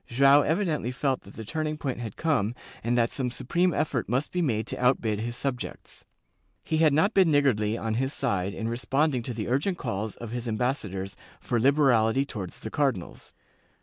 Joao evidently felt that the turning point had come and that some supreme effort must be made to outbid his subjects. He had not been niggardly, on his side, in responding to the iu*gent calls of his ambassadors for liberality towards the cardinals.